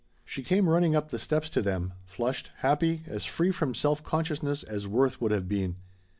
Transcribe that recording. She came running up the steps to them, flushed, happy, as free from self consciousness as Worth would have been.